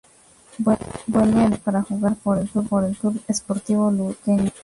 Vuelve al Paraguay para jugar por el Club Sportivo Luqueño.